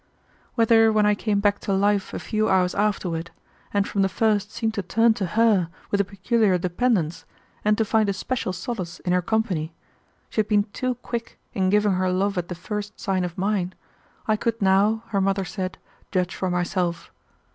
Whether when I came back to life a few hours afterward, and from the first seemed to turn to her with a peculiar dependence and to find a special solace in her company, she had been too quick in giving her love at the first sign of mine, I could now, her mother said, judge for myself.